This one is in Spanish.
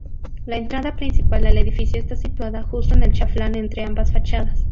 La entrada principal al edificio está situada justo en el chaflán entre ambas fachadas.